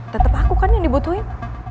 tetap aku kan yang dibutuhin